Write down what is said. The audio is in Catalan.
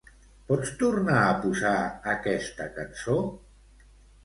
Pots tornar a posar aquesta cançó?